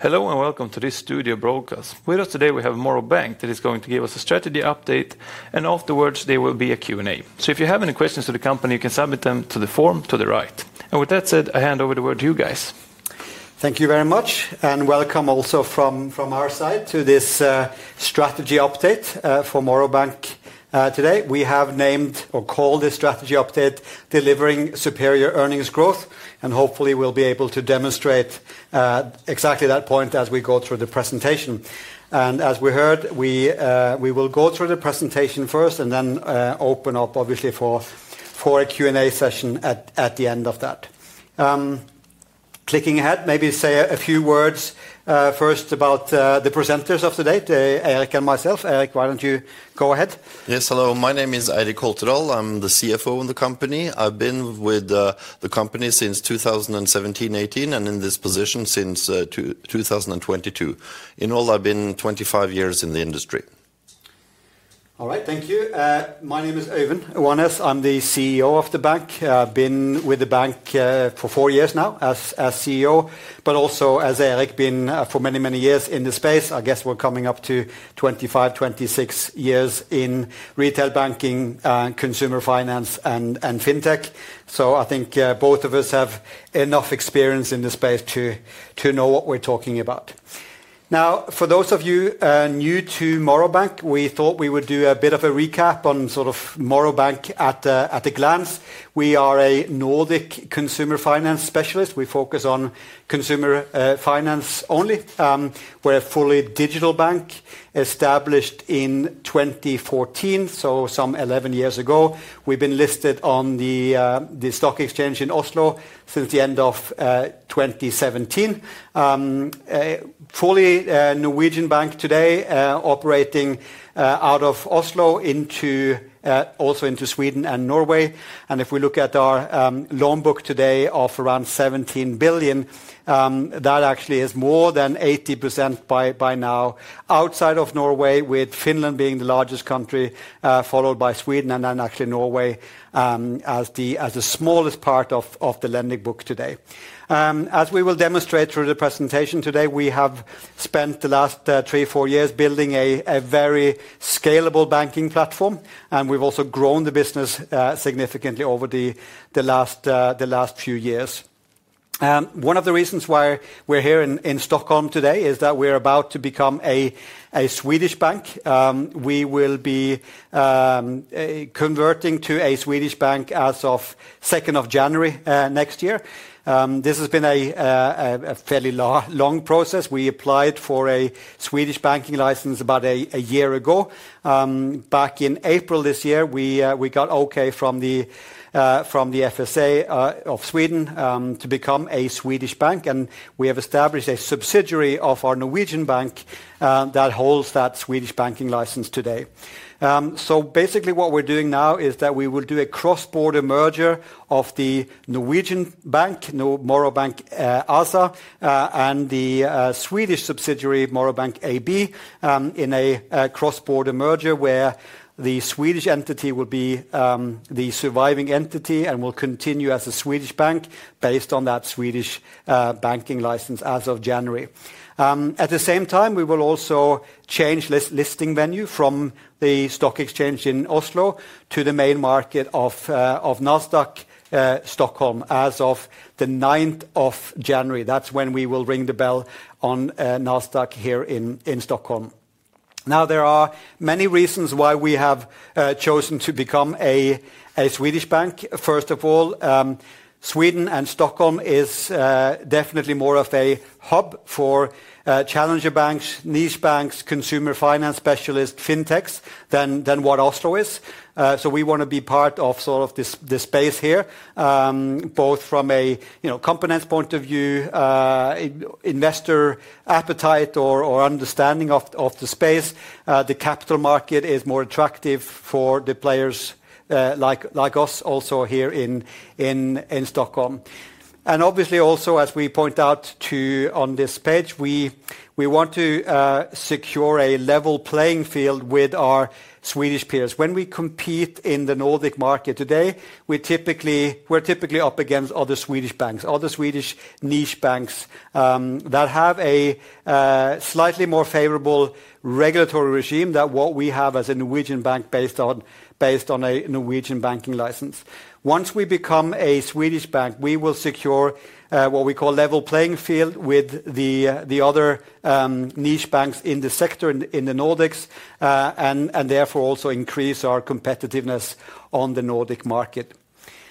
Hello and welcome to this studio broadcast. With us today, we have Morrow Bank that is going to give us a strategy update, and afterwards there will be a Q&A. If you have any questions for the company, you can submit them to the form to the right. With that said, I hand over the word to you guys. Thank you very much, and welcome also from our side to this strategy update for Morrow Bank today. We have named or called this strategy update "Delivering Superior Earnings Growth," and hopefully we will be able to demonstrate exactly that point as we go through the presentation. As we heard, we will go through the presentation first and then open up, obviously, for a Q&A session at the end of that. Clicking ahead, maybe say a few words first about the presenters of today, Eirik and myself. Eirik, why do you not go ahead? Yes, hello. My name is Eirik Holtedahl, I'm the CFO in the company. I've been with the company since 2017-2018 and in this position since 2022. In all, I've been 25 years in the industry. All right, thank you. My name is Øyvind Oanes, I'm the CEO of the bank. I've been with the bank for four years now as CEO, but also as Eirik, been for many, many years in the space. I guess we're coming up to 25, 26 years in retail banking, consumer finance, and fintech. So I think both of us have enough experience in the space to know what we're talking about. Now, for those of you new to Morrow Bank, we thought we would do a bit of a recap on Morrow Bank at a glance. We are a Nordic consumer finance specialist. We focus on consumer finance only. We're a fully digital bank established in 2014, so some 11 years ago. We've been listed on the stock exchange in Oslo since the end of 2017. Fully Norwegian bank today, operating out of Oslo into also into Sweden and Norway. If we look at our loan book today of around 17 billion, that actually is more than 80% by now outside of Norway, with Finland being the largest country, followed by Sweden and then actually Norway as the smallest part of the lending book today. As we will demonstrate through the presentation today, we have spent the last three to four years building a very scalable banking platform, and we have also grown the business significantly over the last few years. One of the reasons why we are here in Stockholm today is that we are about to become a Swedish bank. We will be converting to a Swedish bank as of 2nd of January next year. This has been a fairly long process. We applied for a Swedish banking license about a year ago. Back in April this year, we got okay from the FSA of Sweden to become a Swedish bank, and we have established a subsidiary of our Norwegian bank that holds that Swedish banking license today. So basically what we're doing now is that we will do a cross-border merger of the Norwegian bank, Morrow Bank ASA, and the Swedish subsidiary Morrow Bank AB in a cross-border merger where the Swedish entity will be the surviving entity and will continue as a Swedish bank based on that Swedish banking license as of January. At the same time, we will also change listing venue from the stock exchange in Oslo to the main market of Nasdaq Stockholm as of the 9th of January. That's when we will ring the bell on Nasdaq here in Stockholm. Now, there are many reasons why we have chosen to become a Swedish bank. First of all, Sweden and Stockholm is definitely more of a hub for challenger banks, niche banks, consumer finance specialists, fintechs than what Oslo is. We want to be part of sort of this space here, both from a component point of view, investor appetite or understanding of the space. The capital market is more attractive for the players like us also here in Stockholm. Obviously also, as we point out on this page, we want to secure a level playing field with our Swedish peers. When we compete in the Nordic market today, we're typically up against other Swedish banks, other Swedish niche banks that have a slightly more favorable regulatory regime than what we have as a Norwegian bank based on a Norwegian banking license. Once we become a Swedish bank, we will secure what we call level playing field with the other niche banks in the sector in the Nordics and therefore also increase our competitiveness on the Nordic market.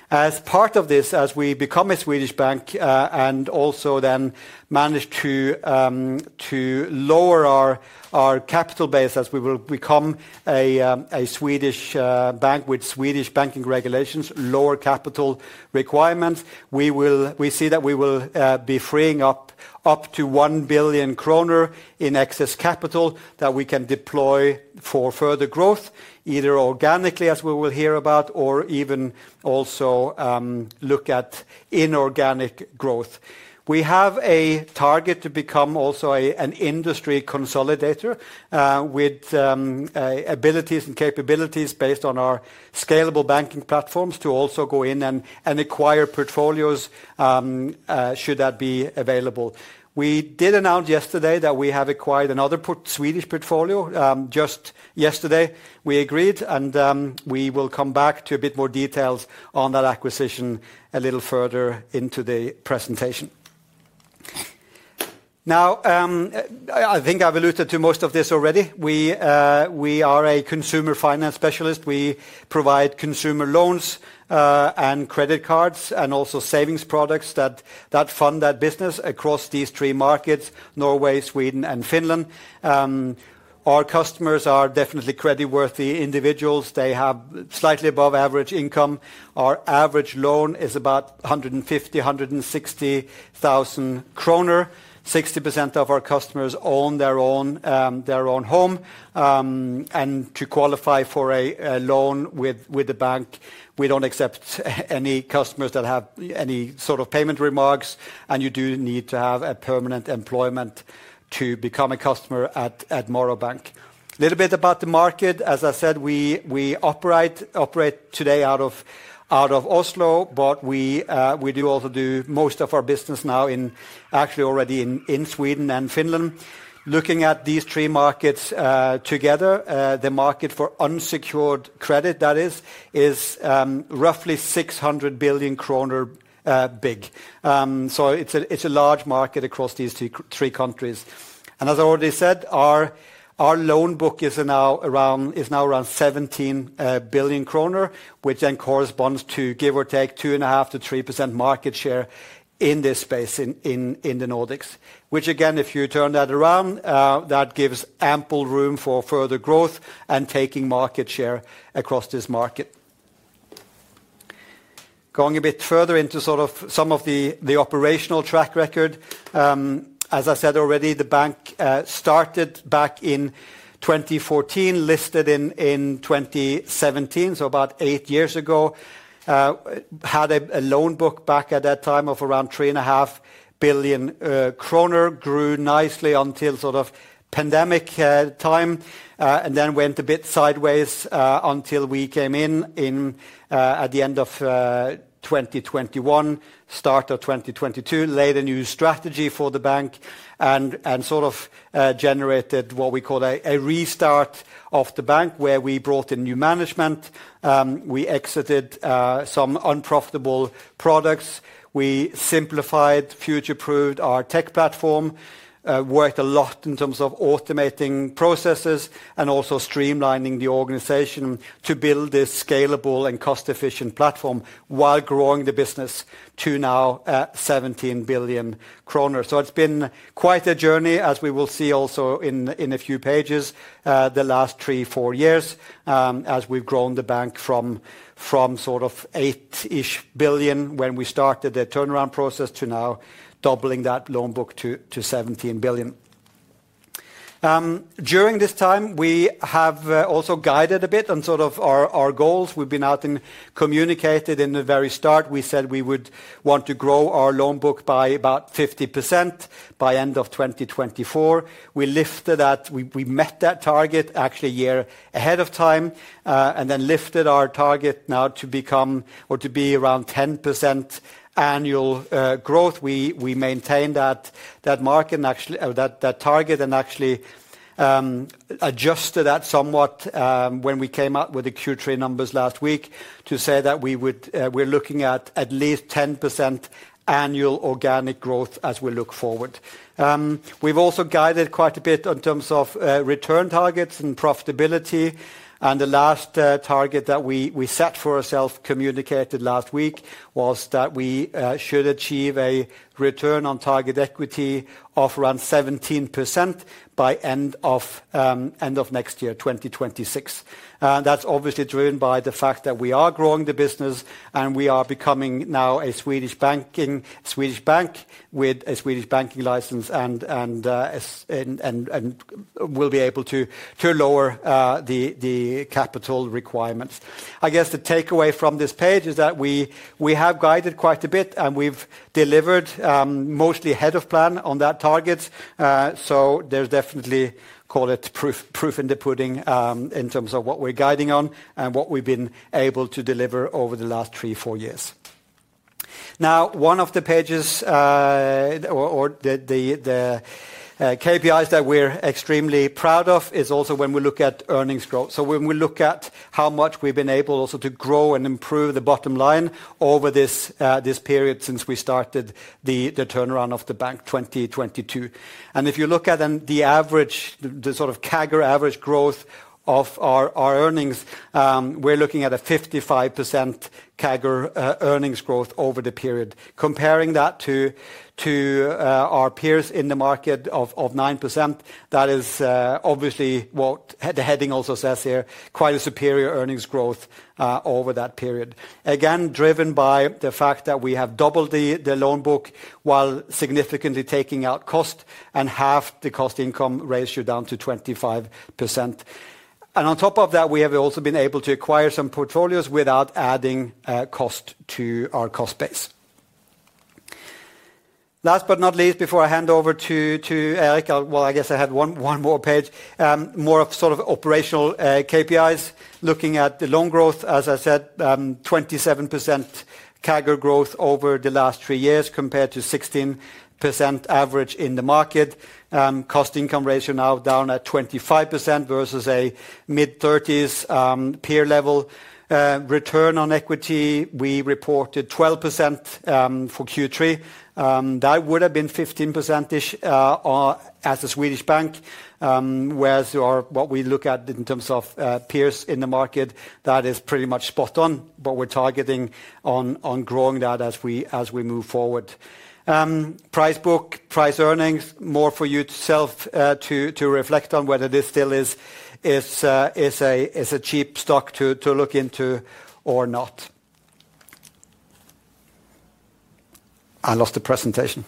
As part of this, as we become a Swedish bank and also then manage to lower our capital base as we will become a Swedish bank with Swedish banking regulations, lower capital requirements, we see that we will be freeing up to 1 billion kronor in excess capital that we can deploy for further growth, either organically as we will hear about or even also look at inorganic growth. We have a target to become also an industry consolidator with abilities and capabilities based on our scalable banking platforms to also go in and acquire portfolios should that be available. We did announce yesterday that we have acquired another Swedish portfolio just yesterday. We agreed and we will come back to a bit more details on that acquisition a little further into the presentation. Now, I think I've alluded to most of this already. We are a consumer finance specialist. We provide consumer loans and credit cards and also savings products that fund that business across these three markets, Norway, Sweden, and Finland. Our customers are definitely creditworthy individuals. They have slightly above average income. Our average loan is about 150,000-160,000 kronor. 60% of our customers own their own home. To qualify for a loan with the bank, we do not accept any customers that have any sort of payment remarks, and you do need to have a permanent employment to become a customer at Morrow Bank. A little bit about the market, as I said, we operate today out of Oslo, but we do also do most of our business now actually already in Sweden and Finland. Looking at these three markets together, the market for unsecured credit, that is, is roughly 600 billion kronor big. It is a large market across these three countries. As I already said, our loan book is now around 17 billion kronor, which then corresponds to give or take 2.5-3% market share in this space in the Nordics. Which again, if you turn that around, that gives ample room for further growth and taking market share across this market. Going a bit further into sort of some of the operational track record, as I said already, the bank started back in 2014, listed in 2017, so about eight years ago, had a loan book back at that time of around 3.5 billion, grew nicely until sort of pandemic time, and then went a bit sideways until we came in at the end of 2021, start of 2022, laid a new strategy for the bank and sort of generated what we call a restart of the bank where we brought in new management. We exited some unprofitable products. We simplified, future-proofed our tech platform, worked a lot in terms of automating processes and also streamlining the organization to build this scalable and cost-efficient platform while growing the business to now 17 billion kronor. It's been quite a journey, as we will see also in a few pages, the last three-four years as we've grown the bank from sort of 8 billion when we started the turnaround process to now doubling that loan book to 17 billion. During this time, we have also guided a bit on sort of our goals. We've been out and communicated in the very start. We said we would want to grow our loan book by about 50% by end of 2024. We lifted that, we met that target actually a year ahead of time and then lifted our target now to become or to be around 10% annual growth. We maintained that target, and actually adjusted that somewhat when we came up with the Q3 numbers last week to say that we're looking at at least 10% annual organic growth as we look forward. We've also guided quite a bit in terms of return targets and profitability. The last target that we set for ourselves, communicated last week, was that we should achieve a return on target equity of around 17% by end of next year, 2026. That's obviously driven by the fact that we are growing the business and we are becoming now a Swedish bank with a Swedish banking license and will be able to lower the capital requirements. I guess the takeaway from this page is that we have guided quite a bit and we've delivered mostly ahead of plan on that target. There's definitely, call it proof in the pudding in terms of what we're guiding on and what we've been able to deliver over the last three, four years. Now, one of the pages or the KPIs that we're extremely proud of is also when we look at earnings growth. When we look at how much we've been able also to grow and improve the bottom line over this period since we started the turnaround of the bank in 2022. If you look at the average, the sort of CAGR average growth of our earnings, we're looking at a 55% CAGR earnings growth over the period. Comparing that to our peers in the market of 9%, that is obviously what the heading also says here, quite a superior earnings growth over that period. Again, driven by the fact that we have doubled the loan book while significantly taking out cost and halved the cost income ratio down to 25%. On top of that, we have also been able to acquire some portfolios without adding cost to our cost base. Last but not least, before I hand over to Eirik, I guess I had one more page, more of sort of operational KPIs. Looking at the loan growth, as I said, 27% CAGR growth over the last three years compared to 16% average in the market. Cost income ratio now down at 25% versus a mid-30s peer level. Return on equity, we reported 12% for Q3. That would have been 15%-ish as a Swedish bank. Whereas what we look at in terms of peers in the market, that is pretty much spot on what we're targeting on growing that as we move forward. Price book, price earnings, more for you to reflect on whether this still is a cheap stock to look into or not. I lost the presentation.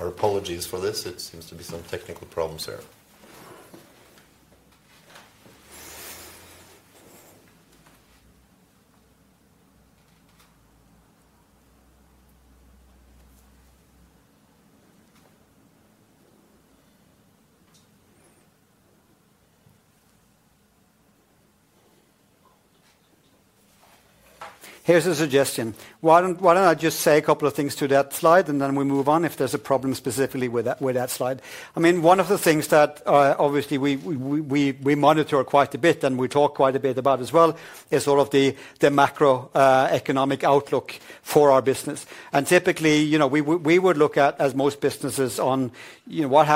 Our apologies for this. It seems to be some technical problems here. Here's a suggestion. Why don't I just say a couple of things to that slide and then we move on if there's a problem specifically with that slide. I mean, one of the things that obviously we monitor quite a bit and we talk quite a bit about as well is sort of the macroeconomic outlook for our business. Typically, we would look at, as most businesses, on what's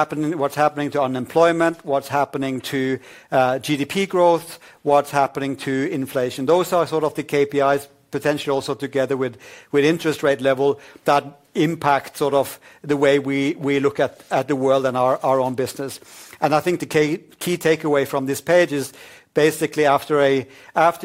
happening to unemployment, what's happening to GDP growth, what's happening to inflation. Those are sort of the KPIs, potentially also together with interest rate level that impact sort of the way we look at the world and our own business. I think the key takeaway from this page is basically after a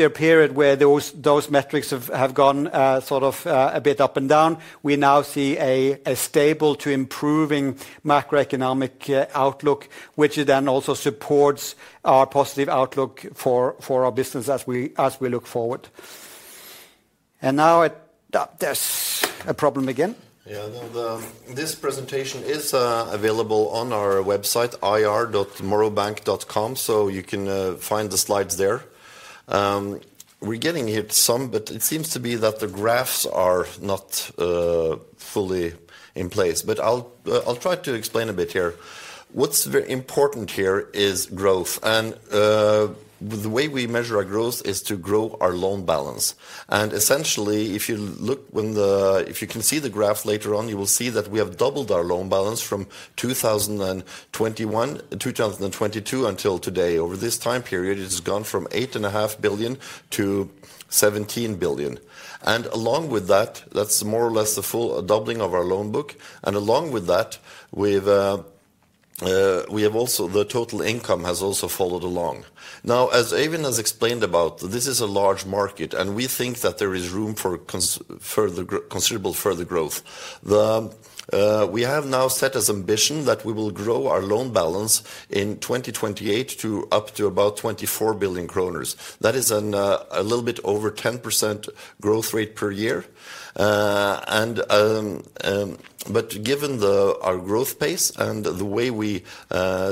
period where those metrics have gone sort of a bit up and down, we now see a stable to improving macroeconomic outlook, which then also supports our positive outlook for our business as we look forward. Now there's a problem again. Yeah, this presentation is available on our website, ir.morrowbank.com, so you can find the slides there. We're getting hit some, but it seems to be that the graphs are not fully in place. I'll try to explain a bit here. What's very important here is growth. The way we measure our growth is to grow our loan balance. Essentially, if you look, if you can see the graph later on, you will see that we have doubled our loan balance from 2021, 2022 until today. Over this time period, it has gone from 8.5 billion-17 billion. Along with that, that's more or less the full doubling of our loan book. Along with that, the total income has also followed along. Now, as Øyvind has explained about, this is a large market and we think that there is room for considerable further growth. We have now set as ambition that we will grow our loan balance in 2028 to up to about 24 billion kroner. That is a little bit over 10% growth rate per year. Given our growth pace and the way we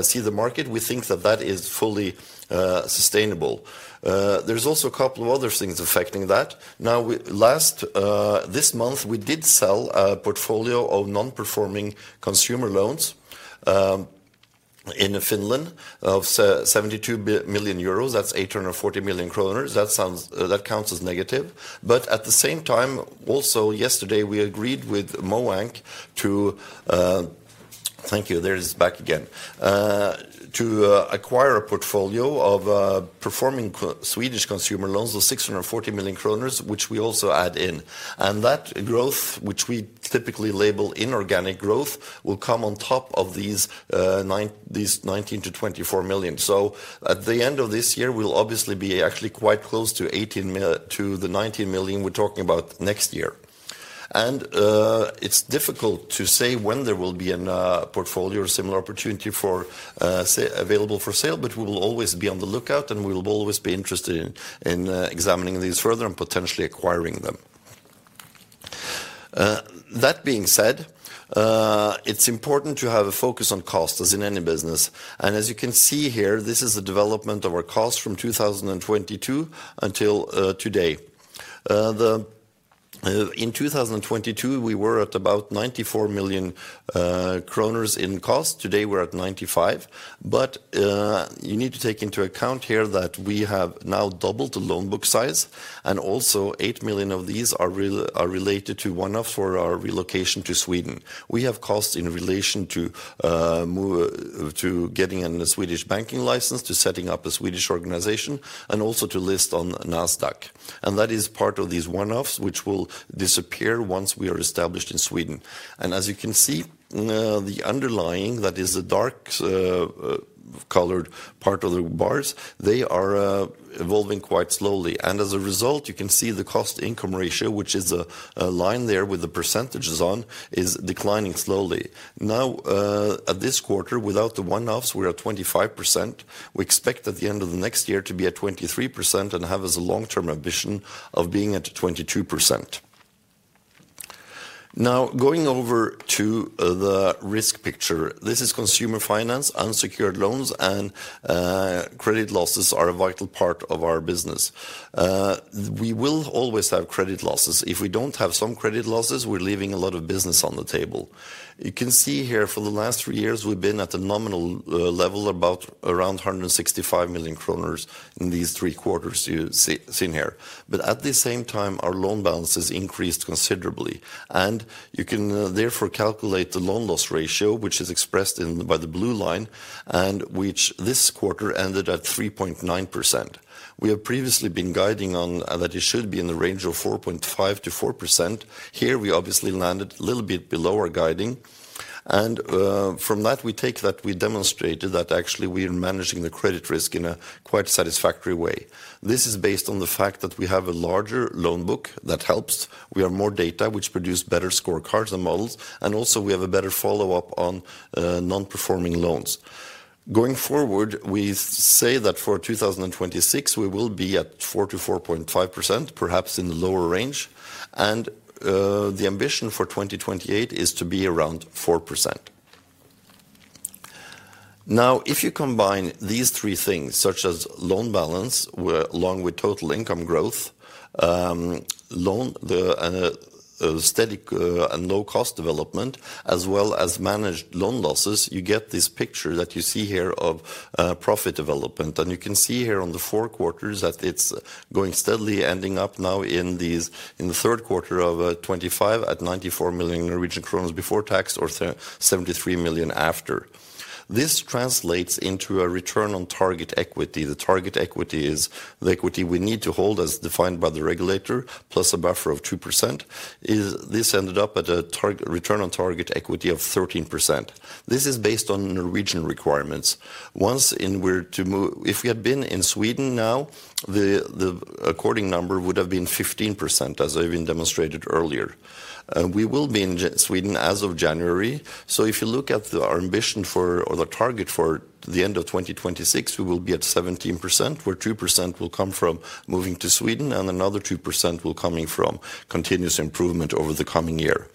see the market, we think that that is fully sustainable. There are also a couple of other things affecting that. Last this month, we did sell a portfolio of non-performing consumer loans in Finland of 72 million euros. That's 840 million kronor. That counts as negative. At the same time, also yesterday, we agreed with MoEnc to, thank you, there it is back again, to acquire a portfolio of performing Swedish consumer loans of 640 million kronor, which we also add in. That growth, which we typically label inorganic growth, will come on top of these 19 million-24 million. At the end of this year, we'll obviously be actually quite close to the 19 million we're talking about next year. It's difficult to say when there will be a portfolio or similar opportunity available for sale, but we will always be on the lookout and we will always be interested in examining these further and potentially acquiring them. That being said, it's important to have a focus on cost as in any business. As you can see here, this is the development of our cost from 2022 until today. In 2022, we were at about 94 million kronor in cost. Today, we're at 95 million. You need to take into account here that we have now doubled the loan book size and also 8 million of these are related to one-offs for our relocation to Sweden. We have costs in relation to getting a Swedish banking license, to setting up a Swedish organization, and also to list on Nasdaq. That is part of these one-offs, which will disappear once we are established in Sweden. As you can see, the underlying, that is the dark colored part of the bars, they are evolving quite slowly. As a result, you can see the cost income ratio, which is a line there with the percentage on, is declining slowly. Now, at this quarter, without the one-offs, we're at 25%. We expect at the end of the next year to be at 23% and have as a long-term ambition of being at 22%. Now, going over to the risk picture, this is consumer finance, unsecured loans, and credit losses are a vital part of our business. We will always have credit losses. If we don't have some credit losses, we're leaving a lot of business on the table. You can see here for the last three years, we've been at a nominal level of about around 165 million kronor in these three quarters you've seen here. At the same time, our loan balances increased considerably. You can therefore calculate the loan loss ratio, which is expressed by the blue line, and which this quarter ended at 3.9%. We have previously been guiding on that it should be in the range of 4.5%-4%. Here, we obviously landed a little bit below our guiding. From that, we take that we demonstrated that actually we are managing the credit risk in a quite satisfactory way. This is based on the fact that we have a larger loan book that helps with our more data, which produced better scorecards and models. Also, we have a better follow-up on non-performing loans. Going forward, we say that for 2026, we will be at 4%-4.5%, perhaps in the lower range. The ambition for 2028 is to be around 4%. Now, if you combine these three things, such as loan balance along with total income growth, steady and low-cost development, as well as managed loan losses, you get this picture that you see here of profit development. You can see here on the four quarters that it is going steadily, ending up now in the third quarter of 2025 at 94 million before tax or 73 million after. This translates into a return on target equity. The target equity is the equity we need to hold as defined by the regulator, plus a buffer of 2%. This ended up at a return on target equity of 13%. This is based on Norwegian requirements. If we had been in Sweden now, the according number would have been 15%, as I have demonstrated earlier. We will be in Sweden as of January. If you look at our ambition for or the target for the end of 2026, we will be at 17%, where 2% will come from moving to Sweden and another 2% will come from continuous improvement over the coming year.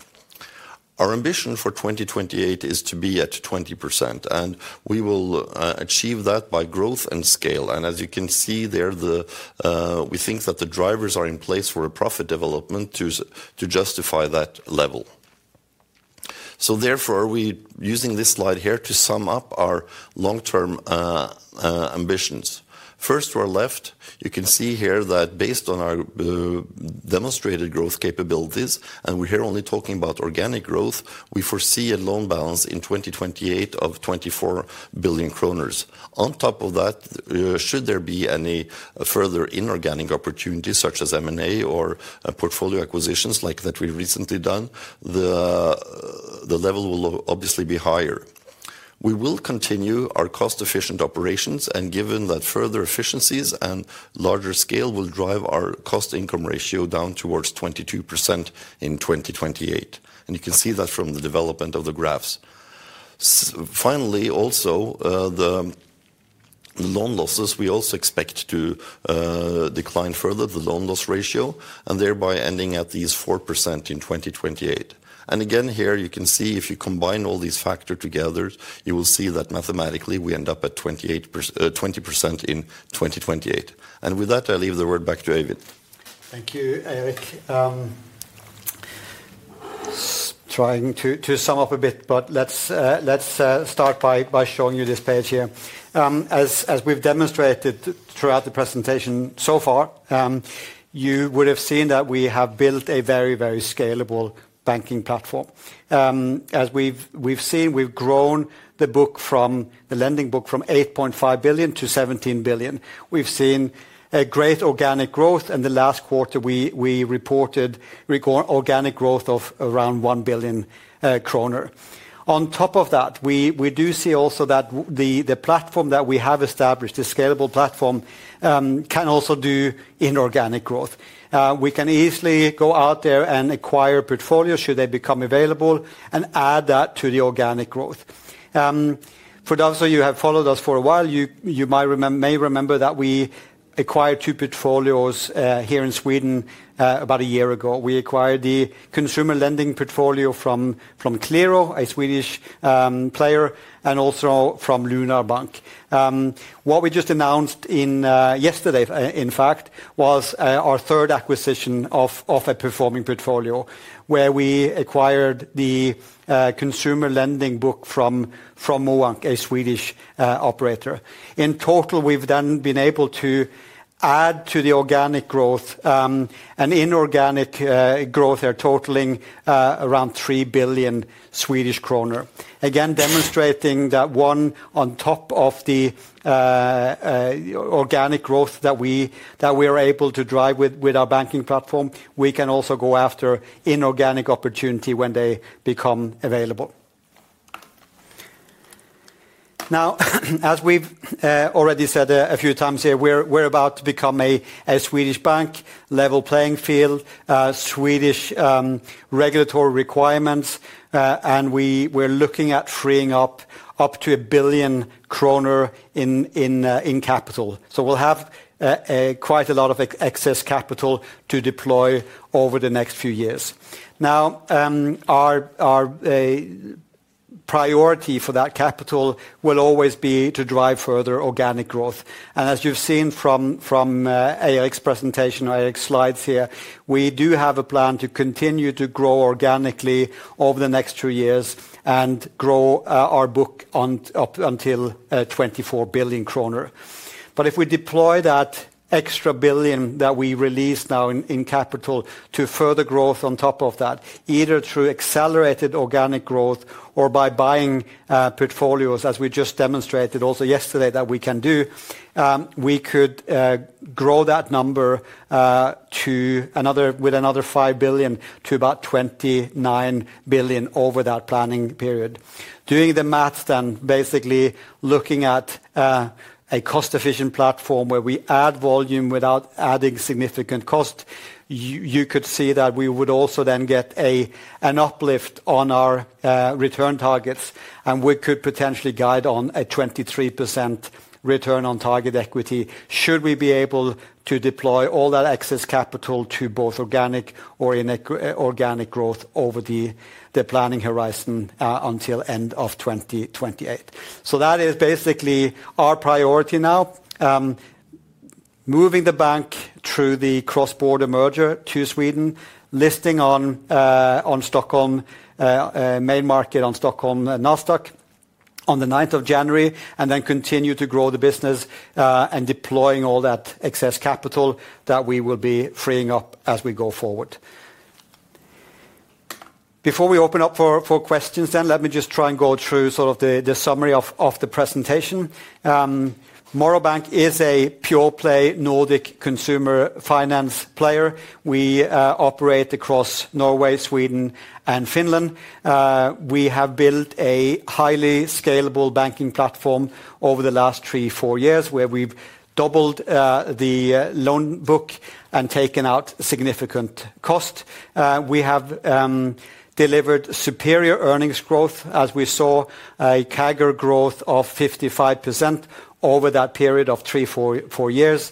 Our ambition for 2028 is to be at 20%. We will achieve that by growth and scale. As you can see there, we think that the drivers are in place for a profit development to justify that level. Therefore, we're using this slide here to sum up our long-term ambitions. First, to our left, you can see here that based on our demonstrated growth capabilities, and we're here only talking about organic growth, we foresee a loan balance in 2028 of 24 billion kroner. On top of that, should there be any further inorganic opportunities, such as M&A or portfolio acquisitions like that we've recently done, the level will obviously be higher. We will continue our cost-efficient operations, and given that further efficiencies and larger scale will drive our cost income ratio down towards 22% in 2028. You can see that from the development of the graphs. Finally, also the loan losses, we also expect to decline further, the loan loss ratio, and thereby ending at these 4% in 2028. Again, here you can see if you combine all these factors together, you will see that mathematically we end up at 20% in 2028. With that, I leave the word back to Øyvind. Thank you, Eirik. Trying to sum up a bit, but let's start by showing you this page here. As we've demonstrated throughout the presentation so far, you would have seen that we have built a very, very scalable banking platform. As we've seen, we've grown the lending book from 8.5 billion-17 billion. We've seen great organic growth, and the last quarter, we reported organic growth of around 1 billion kronor. On top of that, we do see also that the platform that we have established, the scalable platform, can also do inorganic growth. We can easily go out there and acquire portfolios should they become available and add that to the organic growth. For those of you who have followed us for a while, you may remember that we acquired two portfolios here in Sweden about a year ago. We acquired the consumer lending portfolio from Clero, a Swedish player, and also from Lunar Bank. What we just announced yesterday, in fact, was our third acquisition of a performing portfolio, where we acquired the consumer lending book from MoEnc, a Swedish operator. In total, we've then been able to add to the organic growth an inorganic growth. They're totaling around 3 billion Swedish kronor. Again, demonstrating that on top of the organic growth that we are able to drive with our banking platform, we can also go after inorganic opportunity when they become available. Now, as we've already said a few times here, we're about to become a Swedish bank-level playing field, Swedish regulatory requirements, and we're looking at freeing up up to 1 billion kronor in capital. We will have quite a lot of excess capital to deploy over the next few years. Now, our priority for that capital will always be to drive further organic growth. As you've seen from Eirik's presentation or Eirik's slides here, we do have a plan to continue to grow organically over the next two years and grow our book up until 24 billion kronor. If we deploy that extra billion that we release now in capital to further growth on top of that, either through accelerated organic growth or by buying portfolios, as we just demonstrated also yesterday that we can do, we could grow that number with another 5 billion to about 29 billion over that planning period. Doing the math then, basically looking at a cost-efficient platform where we add volume without adding significant cost, you could see that we would also then get an uplift on our return targets, and we could potentially guide on a 23% return on target equity should we be able to deploy all that excess capital to both organic or inorganic growth over the planning horizon until end of 2028. That is basically our priority now. Moving the bank through the cross-border merger to Sweden, listing on Stockholm, main market on Stockholm, Nasdaq on the 9th of January, and then continue to grow the business and deploying all that excess capital that we will be freeing up as we go forward. Before we open up for questions then, let me just try and go through sort of the summary of the presentation. Morrow Bank is a pure-play Nordic consumer finance player. We operate across Norway, Sweden, and Finland. We have built a highly scalable banking platform over the last three, four years, where we've doubled the loan book and taken out significant cost. We have delivered superior earnings growth, as we saw a CAGR growth of 55% over that period of three, four years.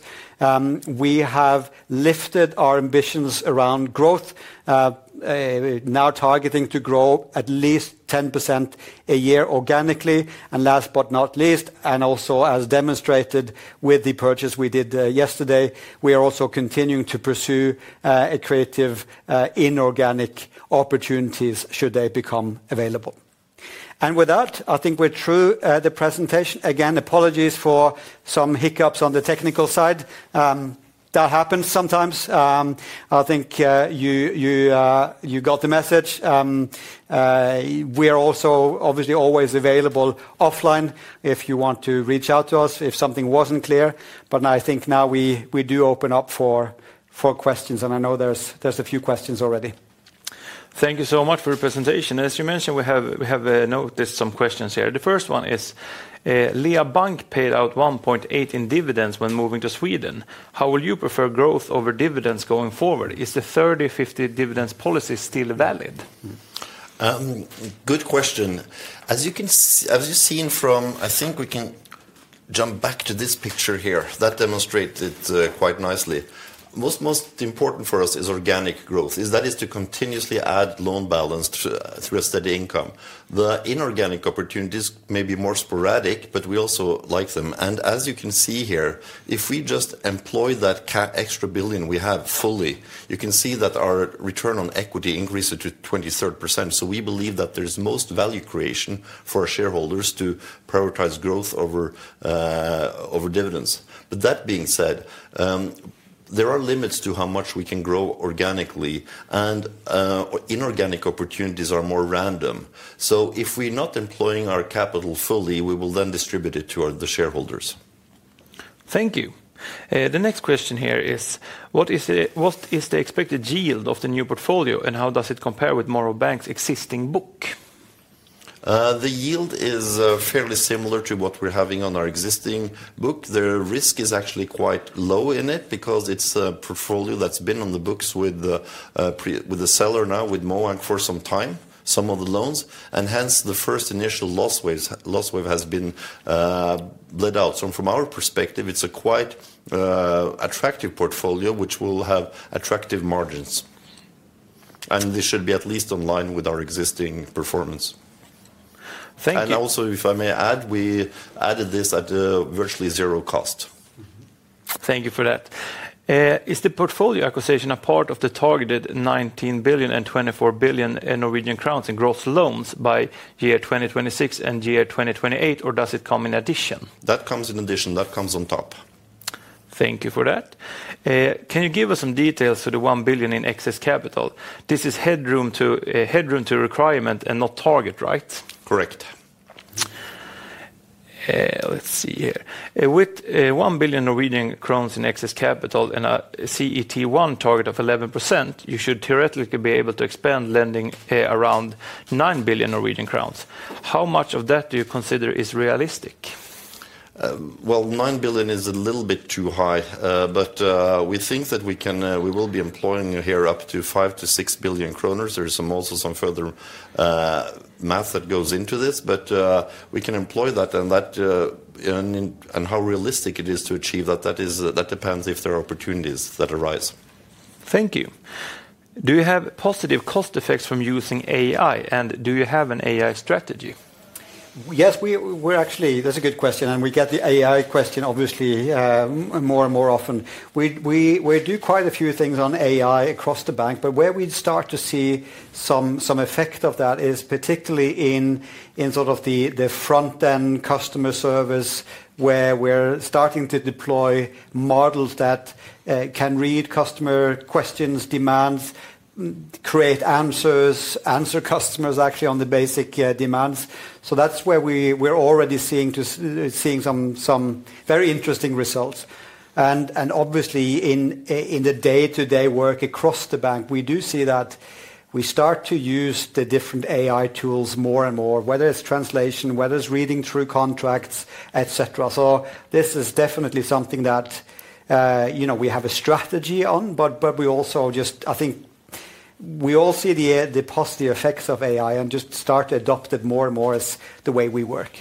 We have lifted our ambitions around growth, now targeting to grow at least 10% a year organically. Last but not least, and also as demonstrated with the purchase we did yesterday, we are also continuing to pursue creative inorganic opportunities should they become available. With that, I think we're through the presentation. Again, apologies for some hiccups on the technical side. That happens sometimes. I think you got the message. We are also obviously always available offline if you want to reach out to us if something was not clear. I think now we do open up for questions, and I know there are a few questions already. Thank you so much for your presentation. As you mentioned, we have noticed some questions here. The first one is, Lea Bank paid out 1.8 million in dividends when moving to Sweden. How will you prefer growth over dividends going forward? Is the 30%-50% dividends policy still valid? Good question. As you've seen from, I think we can jump back to this picture here that demonstrated quite nicely. Most important for us is organic growth, is that is to continuously add loan balance through a steady income. The inorganic opportunities may be more sporadic, but we also like them. As you can see here, if we just employ that extra billion we have fully, you can see that our return on equity increases to 23%. We believe that there's most value creation for shareholders to prioritize growth over dividends. That being said, there are limits to how much we can grow organically, and inorganic opportunities are more random. If we're not employing our capital fully, we will then distribute it to the shareholders. Thank you. The next question here is, what is the expected yield of the new portfolio, and how does it compare with Morrow Bank's existing book? The yield is fairly similar to what we're having on our existing book. The risk is actually quite low in it because it's a portfolio that's been on the books with the seller now, with MoEnc for some time, some of the loans. Hence, the first initial loss wave has been bled out. From our perspective, it's a quite attractive portfolio, which will have attractive margins. This should be at least in line with our existing performance. Also, if I may add, we added this at virtually zero cost. Thank you for that. Is the portfolio acquisition a part of the targeted 19 billion and SEK 24 billion in gross loans by year 2026 and year 2028, or does it come in addition? That comes in addition. That comes on top. Thank you for that. Can you give us some details to the 1 billion in excess capital? This is headroom to requirement and not target, right? Correct. Let's see here. With 1 billion Norwegian crowns in excess capital and a CET1 target of 11%, you should theoretically be able to expand lending around 9 billion Norwegian crowns. How much of that do you consider is realistic? 9 billion is a little bit too high, but we think that we will be employing here up to 5 billion-6 billion kroner. There is also some further math that goes into this, but we can employ that. How realistic it is to achieve that, that depends if there are opportunities that arise. Thank you. Do you have positive cost effects from using AI, and do you have an AI strategy? Yes, we're actually, that's a good question, and we get the AI question obviously more and more often. We do quite a few things on AI across the bank, but where we start to see some effect of that is particularly in sort of the front-end customer service, where we're starting to deploy models that can read customer questions, demands, create answers, answer customers actually on the basic demands. That is where we're already seeing some very interesting results. Obviously, in the day-to-day work across the bank, we do see that we start to use the different AI tools more and more, whether it's translation, whether it's reading through contracts, etc. This is definitely something that we have a strategy on, but we also just, I think we all see the positive effects of AI and just start to adopt it more and more as the way we work.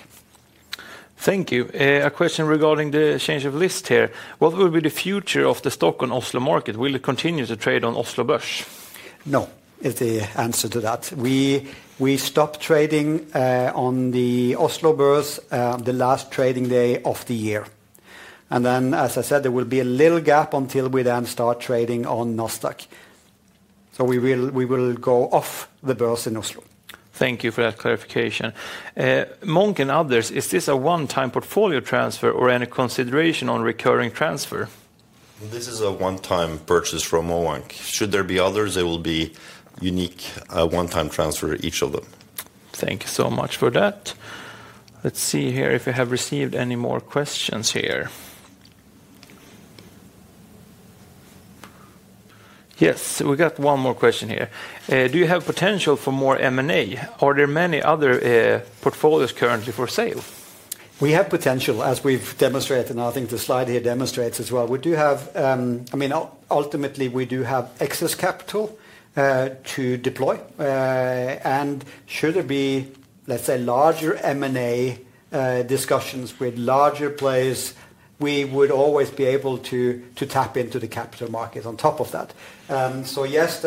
Thank you. A question regarding the change of list here. What will be the future of the Stockholm-Oslo market? Will it continue to trade on Oslo Børs? No, is the answer to that. We stopped trading on the Oslo Børs the last trading day of the year. As I said, there will be a little gap until we then start trading on Nasdaq. We will go off the Børs in Oslo. Thank you for that clarification. MoEnc and others, is this a one-time portfolio transfer or any consideration on recurring transfer? This is a one-time purchase from MoEnc. Should there be others, it will be unique one-time transfer each of them. Thank you so much for that. Let's see here if we have received any more questions here. Yes, we got one more question here. Do you have potential for more M&A? Are there many other portfolios currently for sale? We have potential, as we've demonstrated, and I think the slide here demonstrates as well. We do have, I mean, ultimately we do have excess capital to deploy. Should there be, let's say, larger M&A discussions with larger players, we would always be able to tap into the capital market on top of that. Yes,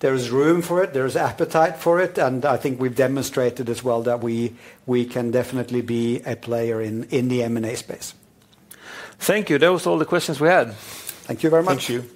there is room for it. There is appetite for it. I think we've demonstrated as well that we can definitely be a player in the M&A space. Thank you. That was all the questions we had. Thank you very much. Thank you.